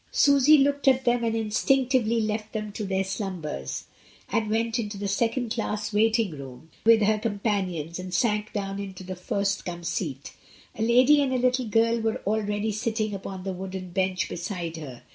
Susy looked at them and instinctively left them to their slumbers, and went into the second class waiting room with her companions and sank down into the first come seat. A lady and a little girl were already sitting upon the wooden bench beside her.